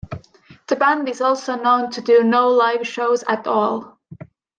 The band is also known to do no live shows at all.